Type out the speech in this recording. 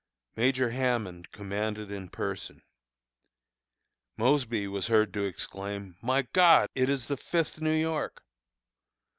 Major Hammond commanded in person. Mosby was heard to exclaim, "My God! it is the Fifth New York!"